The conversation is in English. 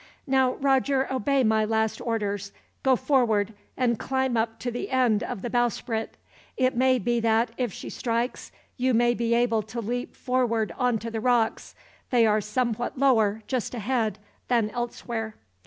"Now, Roger, obey my last orders. Go forward, and climb up to the end of the bowsprit. It may be that, if she strikes, you may be able to leap forward onto the rocks. They are somewhat lower, just ahead, than elsewhere."